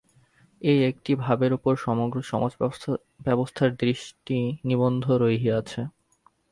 এই একটি ভাবের উপর সমগ্র সমাজ-ব্যবস্থার দৃষ্টি নিবদ্ধ রহিয়াছে।